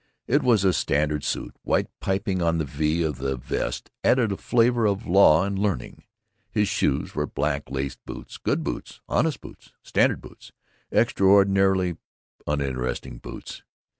It was a standard suit. White piping on the V of the vest added a flavor of law and learning. His shoes were black laced boots, good boots, honest boots, standard boots, extraordinarily uninteresting boots.